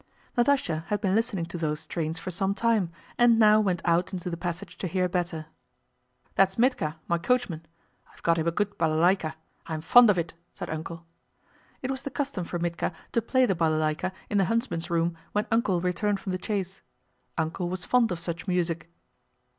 Natásha had been listening to those strains for some time and now went out into the passage to hear better. "That's Mítka, my coachman.... I have got him a good balaláyka. I'm fond of it," said "Uncle." It was the custom for Mítka to play the balaláyka in the huntsmen's room when "Uncle" returned from the chase. "Uncle" was fond of such music.